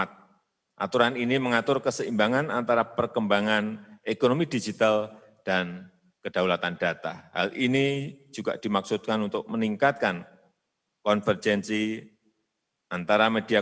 dan kedaulatan data hal ini juga dimaksudkan untuk meningkatkan konvergensi antara media